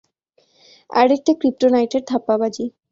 আরেকটা ক্রিপ্টোনাইটের ধাপ্পাবাজি।